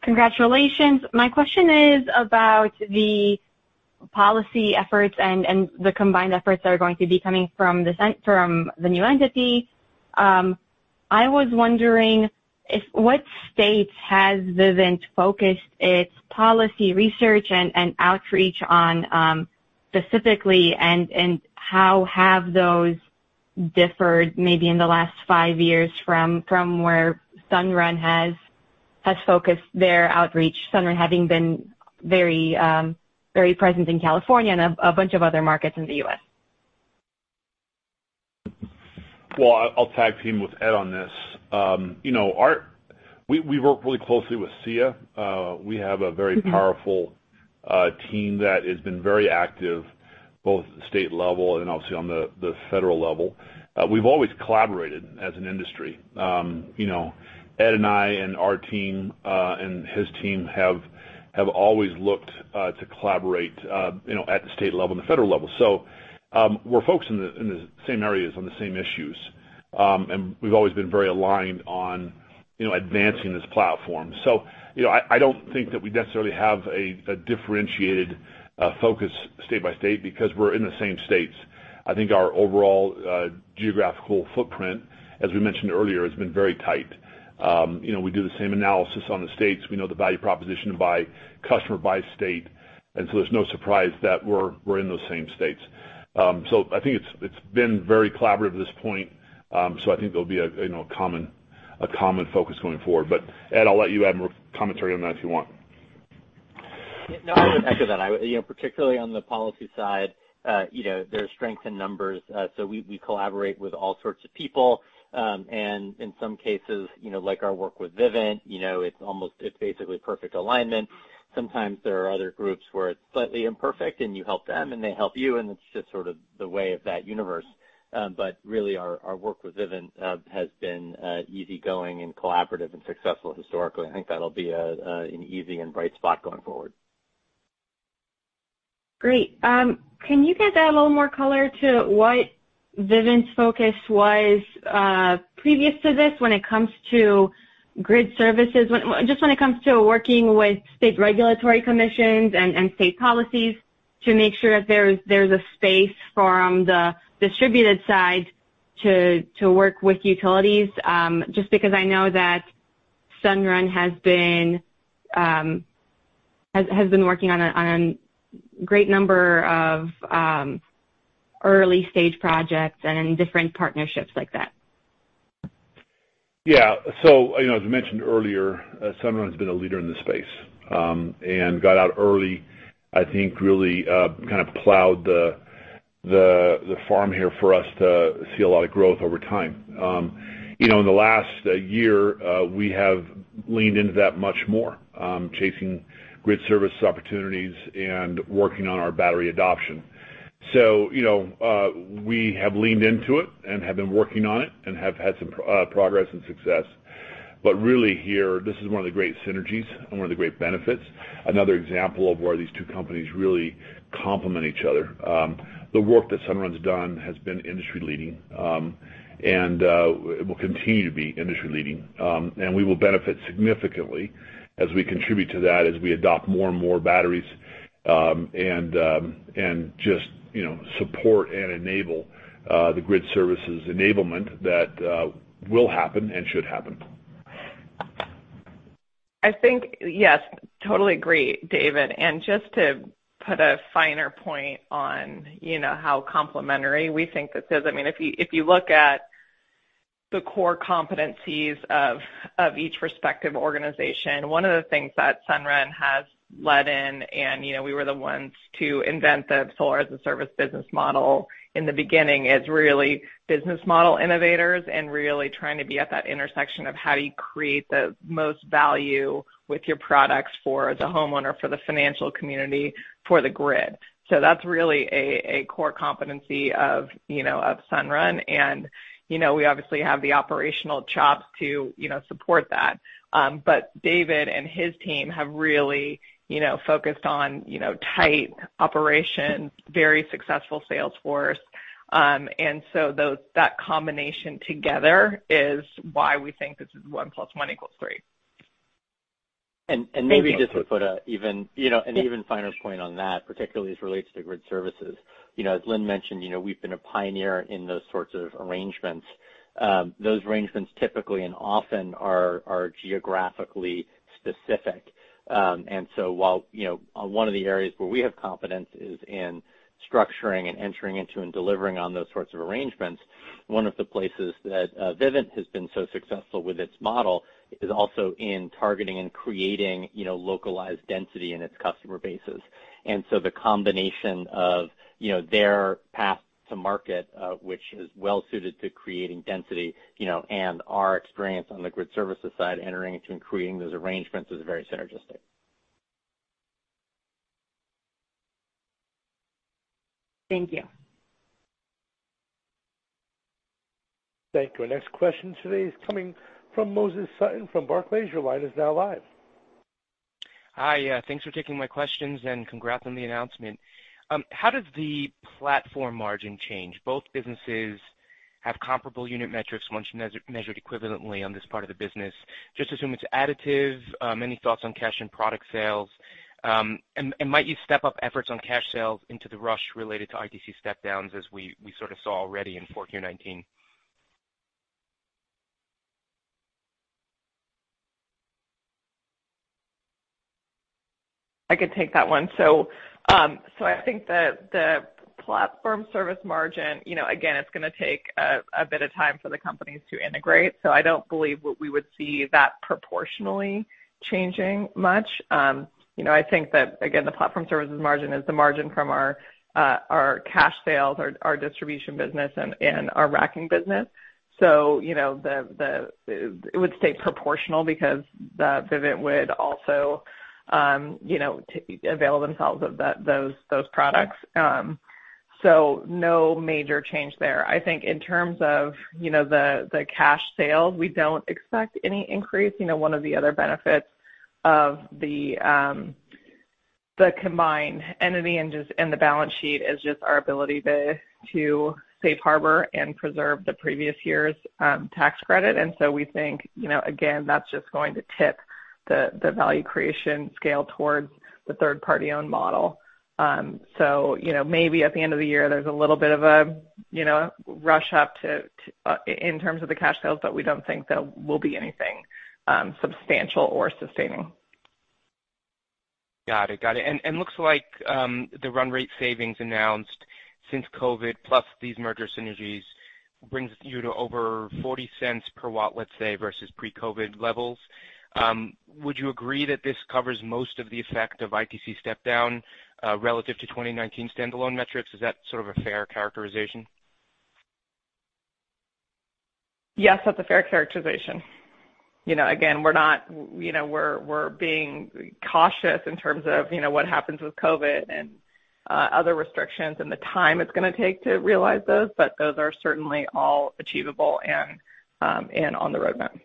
Congratulations. My question is about the policy efforts and the combined efforts that are going to be coming from the new entity. I was wondering what states has Vivint focused its policy research and outreach on, specifically, and how have those differed maybe in the last five years from where Sunrun has focused their outreach, Sunrun having been very present in California and a bunch of other markets in the U.S.? Well, I'll tag team with Ed on this. We work really closely with SEIA. We have a very powerful team that has been very active, both at the state level and obviously on the federal level. We've always collaborated as an industry. Ed and I and our team and his team have always looked to collaborate at the state level and the federal level. We're focused in the same areas on the same issues. We've always been very aligned on advancing this platform. I don't think that we necessarily have a differentiated focus state by state because we're in the same states. I think our overall geographical footprint, as we mentioned earlier, has been very tight. We do the same analysis on the states. We know the value proposition by customer, by state, and so there's no surprise that we're in those same states. I think it's been very collaborative to this point. I think there'll be a common focus going forward. Ed, I'll let you add more commentary on that if you want. I would echo that. Particularly on the policy side, there's strength in numbers. We collaborate with all sorts of people. In some cases, like our work with Vivint, it's basically perfect alignment. Sometimes there are other groups where it's slightly imperfect, and you help them, and they help you, and it's just sort of the way of that universe. Really, our work with Vivint has been easygoing and collaborative and successful historically. I think that'll be an easy and bright spot going forward. Great. Can you guys add a little more color to what Vivint's focus was previous to this when it comes to grid services, just when it comes to working with state regulatory commissions and state policies to make sure that there's a space for the distributed side to work with utilities, just because I know that Sunrun has been working on a great number of early-stage projects and in different partnerships like that. Yeah. As we mentioned earlier, Sunrun's been a leader in this space, and got out early, I think really kind of plowed the farm here for us to see a lot of growth over time. In the last year, we have leaned into that much more, chasing grid services opportunities and working on our battery adoption. We have leaned into it and have been working on it and have had some progress and success. Really here, this is one of the great synergies and one of the great benefits. Another example of where these two companies really complement each other. The work that Sunrun's done has been industry-leading, and it will continue to be industry-leading. We will benefit significantly as we contribute to that, as we adopt more and more batteries, and just support and enable the grid services enablement that will happen and should happen. I think, yes, totally agree, David. Just to put a finer point on how complementary we think this is. If you look at the core competencies of each respective organization, one of the things that Sunrun has led in, and we were the ones to invent the solar as a service business model in the beginning, as really business model innovators and really trying to be at that intersection of how do you create the most value with your products for the homeowner, for the financial community, for the grid. That's really a core competency of Sunrun. We obviously have the operational chops to support that. David and his team have really focused on tight operation, very successful sales force. That combination together is why we think this is one plus one equals three. Maybe just to put an even finer point on that, particularly as it relates to grid services. As Lynn mentioned, we've been a pioneer in those sorts of arrangements. Those arrangements typically and often are geographically specific. While one of the areas where we have competence is in structuring and entering into and delivering on those sorts of arrangements, one of the places that Vivint has been so successful with its model is also in targeting and creating localized density in its customer bases. The combination of their path to market, which is well-suited to creating density, and our experience on the grid services side, entering into and creating those arrangements is very synergistic. Thank you. Thank you. Our next question today is coming from Moses Sutton from Barclays. Your line is now live. Hi. Yeah, thanks for taking my questions, and congrats on the announcement. How does the platform margin change? Both businesses have comparable unit metrics once measured equivalently on this part of the business. Just assume it's additive. Any thoughts on cash and product sales? Might you step up efforts on cash sales into the rush related to ITC step downs as we sort of saw already in 4Q19? I could take that one. I think the platform services margin, again, it's going to take a bit of time for the companies to integrate. I don't believe what we would see that proportionally changing much. I think that, again, the platform services margin is the margin from our cash sales, our distribution business, and our racking business. It would stay proportional because Vivint would also avail themselves of those products. No major change there. I think in terms of the cash sales, we don't expect any increase. One of the other benefits of the combined entity and the balance sheet is just our ability to safe harbor and preserve the previous year's tax credit. We think, again, that's just going to tip the value creation scale towards the third party-owned model. Maybe at the end of the year, there's a little bit of a rush up in terms of the cash sales, but we don't think there will be anything substantial or sustaining. Looks like the run rate savings announced since COVID plus these merger synergies brings you to over $0.40 per watt, let's say, versus pre-COVID levels. Would you agree that this covers most of the effect of ITC step down relative to 2019 standalone metrics? Is that sort of a fair characterization? Yes, that's a fair characterization. Again, we're being cautious in terms of what happens with COVID and other restrictions and the time it's going to take to realize those, but those are certainly all achievable and on the roadmap.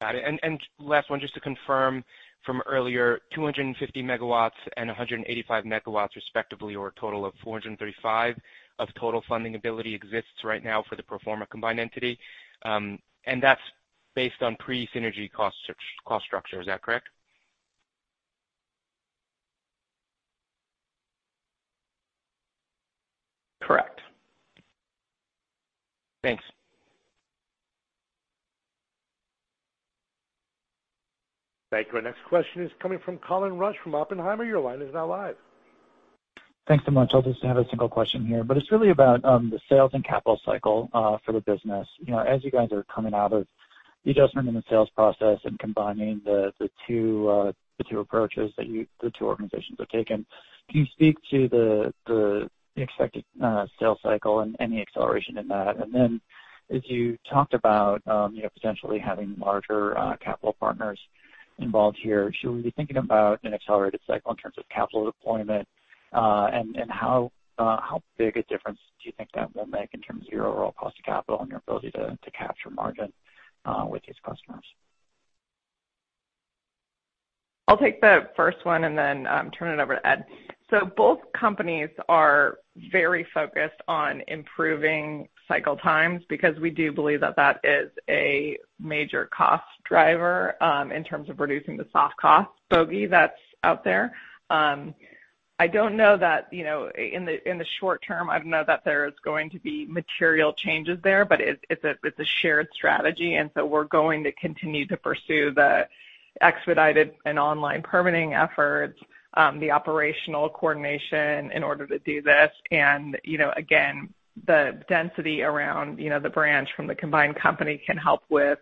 Got it. Last one, just to confirm from earlier, 250 megawatts and 185 megawatts respectively, or a total of 435 of total funding ability exists right now for the pro forma combined entity. That's based on pre-synergy cost structure. Is that correct? Correct. Thanks. Thank you. Our next question is coming from Colin Rusch from Oppenheimer. Your line is now live. Thanks so much. I'll just have a single question here, but it's really about the sales and capital cycle for the business. As you guys are coming out of the adjustment in the sales process and combining the two approaches that the two organizations have taken, can you speak to the expected sales cycle and any acceleration in that? Then as you talked about potentially having larger capital partners involved here, should we be thinking about an accelerated cycle in terms of capital deployment? How big a difference do you think that will make in terms of your overall cost of capital and your ability to capture margin with these customers? I'll take the first one and then turn it over to Ed. Both companies are very focused on improving cycle times because we do believe that that is a major cost driver in terms of reducing the soft cost bogey that's out there. I don't know that in the short term, I don't know that there's going to be material changes there, but it's a shared strategy, and so we're going to continue to pursue the expedited and online permitting efforts, the operational coordination in order to do this. Again, the density around the branch from the combined company can help with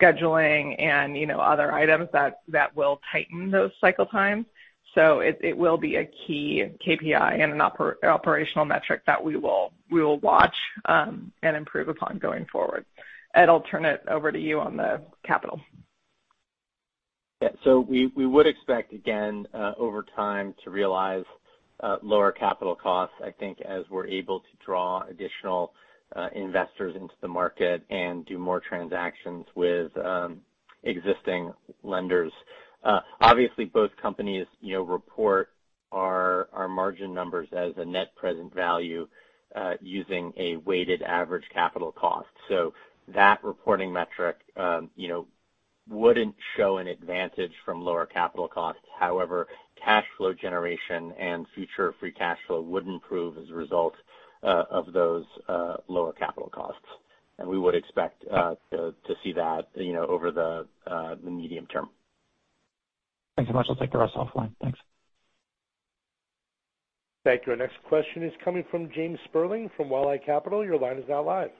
scheduling and other items that will tighten those cycle times. It will be a key KPI and an operational metric that we will watch and improve upon going forward. Ed, I'll turn it over to you on the capital. Yeah. We would expect again, over time, to realize lower capital costs, I think, as we're able to draw additional investors into the market and do more transactions with existing lenders. Obviously, both companies report our margin numbers as a net present value using a weighted average capital cost. That reporting metric wouldn't show an advantage from lower capital costs. However, cash flow generation and future free cash flow would improve as a result of those lower capital costs. We would expect to see that over the medium term. Thanks so much. I'll take the rest offline. Thanks. Thank you. Our next question is coming from Gabe Spivak from Walleye Capital. Your line is now live.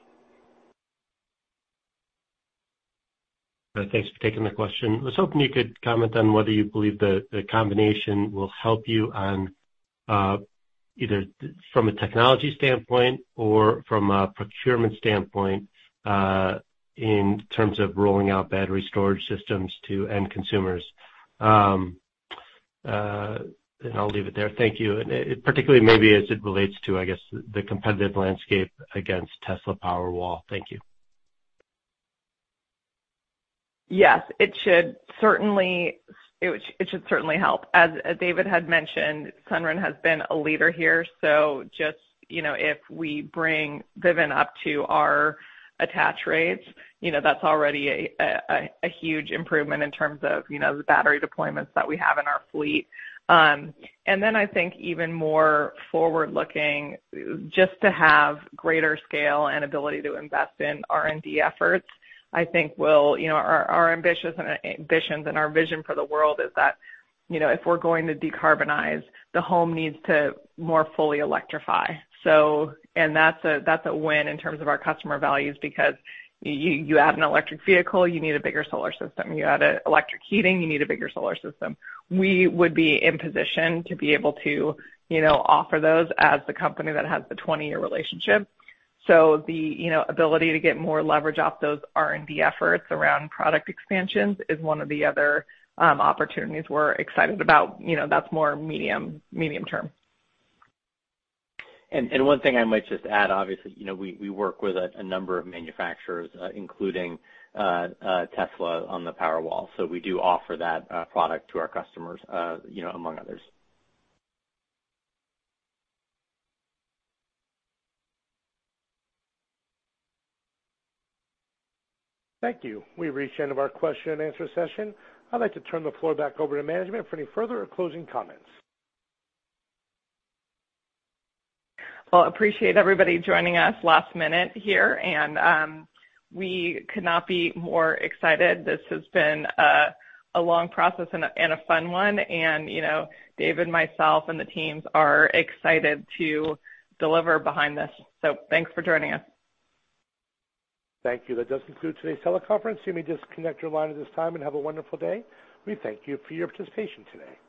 Thanks for taking my question. I was hoping you could comment on whether you believe the combination will help you on either from a technology standpoint or from a procurement standpoint in terms of rolling out battery storage systems to end consumers. I'll leave it there. Thank you. Particularly maybe as it relates to, I guess, the competitive landscape against Tesla Powerwall. Thank you. Yes, it should certainly help. As David had mentioned, Sunrun has been a leader here. Just if we bring Vivint up to our attach rates, that's already a huge improvement in terms of the battery deployments that we have in our fleet. I think even more forward-looking, just to have greater scale and ability to invest in R&D efforts, our ambitions and our vision for the world is that if we're going to decarbonize, the home needs to more fully electrify. That's a win in terms of our customer values because you add an electric vehicle, you need a bigger solar system. You add electric heating, you need a bigger solar system. We would be in position to be able to offer those as the company that has the 20-year relationship. The ability to get more leverage off those R&D efforts around product expansions is one of the other opportunities we're excited about. That's more medium-term. One thing I might just add, obviously, we work with a number of manufacturers, including Tesla on the Powerwall. We do offer that product to our customers among others. Thank you. We've reached the end of our question and answer session. I'd like to turn the floor back over to management for any further or closing comments. Well, appreciate everybody joining us last minute here. We could not be more excited. This has been a long process and a fun one. Dave and myself and the teams are excited to deliver behind this. Thanks for joining us. Thank you. That does conclude today's teleconference. You may disconnect your line at this time and have a wonderful day. We thank you for your participation today.